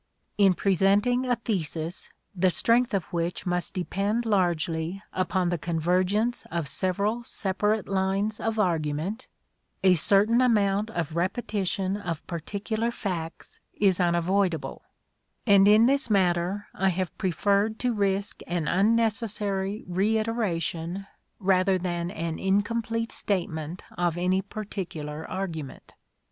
In presenting a thesis the strength of which must depend largely upon the convergence of several separate lines of argument, a certain amount of repetition of particular facts is unavoidable, and in this matter I have preferred to risk an unnecessary reiteration rather than an incomplete statement of any particular argument.